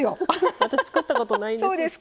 私、作ったことないんです。